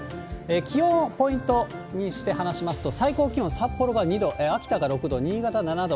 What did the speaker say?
気温をポイントにして話しますと、最高気温、札幌が２度、秋田が６度、新潟７度。